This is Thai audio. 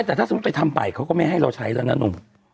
แต่ถ้าสมมุติไปทำไปเขาก็ไม่ให้เราใช้แล้วนะหนุ่ม